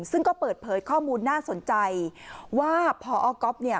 ซึ่งก็เปิดเผยข้อมูลน่าสนใจว่าพอก๊อฟเนี่ย